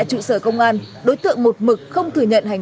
cũng không nghĩ được cái gì hết